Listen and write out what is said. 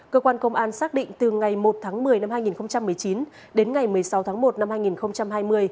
cơ quan công an xác định từ ngày một tháng một mươi năm hai nghìn một mươi chín đến ngày một mươi sáu tháng một năm hai nghìn hai mươi